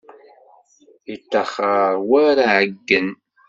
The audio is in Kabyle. Yettaxer war aɛeyyen.